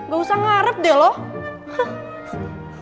gak usah ngarep deh loh